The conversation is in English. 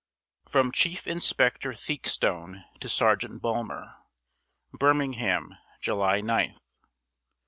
FROM CHIEF INSPECTOR THEAKSTONE TO SERGEANT BULMER. Birmingham, July 9th.